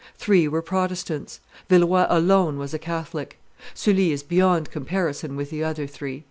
Three were Protestants; Villeroi alone was a Catholic. Sully is beyond comparison with the other three.